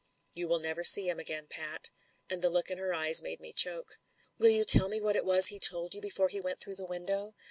"You will never see him again, Pat," and the look in her eyes made me choke. "Will you tell me what it was he told you before he went through the window?